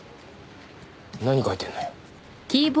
何書いてんのよ？